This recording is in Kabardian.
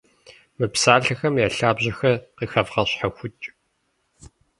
Мы псалъэхэм я лъабжьэхэр къыхэвгъэщхьэхукӏ.